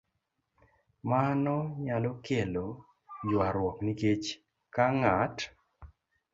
Mano nyalo kelo ywaruok nikech ka ng'at